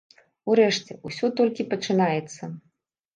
Урэшце, усё толькі пачынаецца!